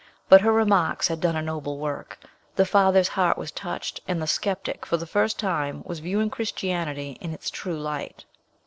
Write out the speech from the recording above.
But her remarks had done a noble work. The father's heart was touched; and the sceptic, for the first time, was viewing Christianity in its true light.